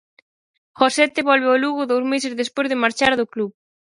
Josete volve ao Lugo dous meses despois de marchar do club.